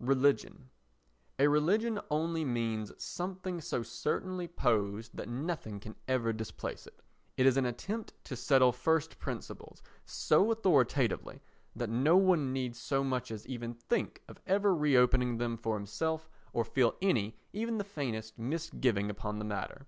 Religion A religion only means something so certainly posed that nothing can ever displace it. It is an attempt to settle first principles so authoritatively that no one need so much as even think of ever re opening them for himself or feel any, even the faintest, misgiving upon the matter.